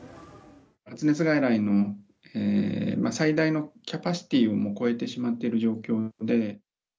発熱外来の最大のキャパシティーを超えてしまっている状況で。